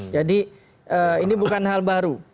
jadi ini bukan hal baru